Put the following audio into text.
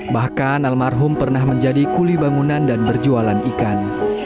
bahkan almarhum pernah menjadi kuli bangunan dan berjualan ikan